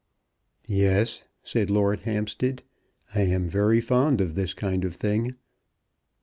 "Yes," said Lord Hampstead, "I am very fond of this kind of thing.